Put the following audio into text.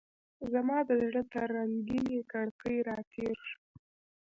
زما د زړه تر رنګینې کړکۍ راتیر شو